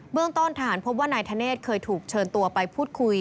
เมืองต้นทหารพบว่านายธเนธเคยถูกเชิญตัวไปพูดคุย